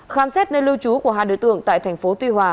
khám xét nơi lưu trú của hai đối tượng tại thành phố tuy hòa